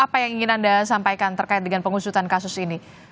apa yang ingin anda sampaikan terkait dengan pengusutan kasus ini